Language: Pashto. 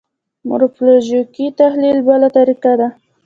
مورفولوژیکي تحلیل بله طریقه ده.